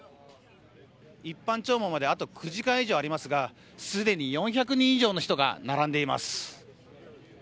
一般弔問まであと９時間以上ありますがすでに４００人以上の人が並んでいます。